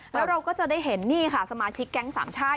แล้วเราก็จะได้เห็นนี่ค่ะสมาชิกแก๊งสามชาติ